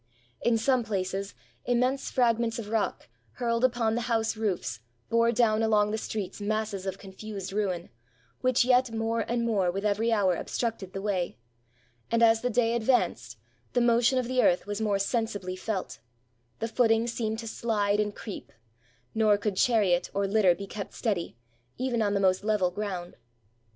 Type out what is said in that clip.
In some places, immense fragments of rock, hurled upon the house roofs, bore down along the streets masses of confused ruin, which yet more and more, with every hour, obstructed the way; and as the day advanced, the motion of the earth was more sensibly felt — the footing seemed to slide and creep — nor could chariot or Htter be kept steady, even on the most level ground.